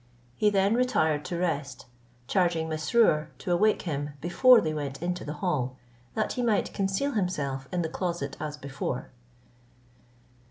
He then retired to rest, charging Mesrour to awake him before they went into the hall, that he might conceal himself in the closet as before.